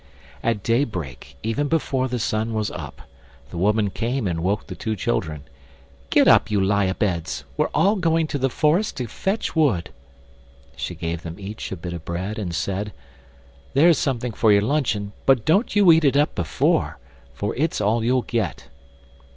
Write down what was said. At daybreak, even before the sun was up, the woman came and woke the two children: "Get up, you lie abeds, we're all going to the forest to fetch wood." She gave them each a bit of bread and said: "There's something for your luncheon, but don't you eat it up before, for it's all you'll get."